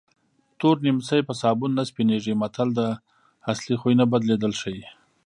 تور نیمڅی په سابون نه سپینېږي متل د اصلي خوی نه بدلېدل ښيي